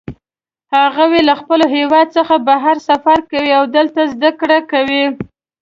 هغوی له خپل هیواد څخه بهر سفر کوي او هلته زده کړه کوي